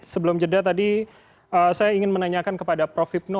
sebelum jeda tadi saya ingin menanyakan kepada prof hipno